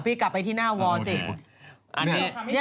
พี่กลับไปที่หน้าวอร์สิ